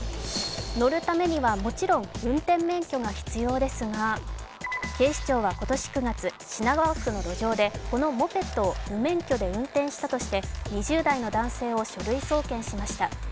乗るためにはもちろん運転免許が必要ですが、警視庁は今年９月、品川区の路上でこのモペットを無免許で運転としたとして２０代の男性を書類送検しました。